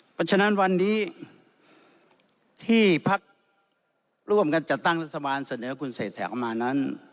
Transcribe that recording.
เพราะฉะนั้นวันนี้ที่พักร่วมกันจัดตั้งรัฐบาลเสนอคุณเศรษฐาออกมานั้น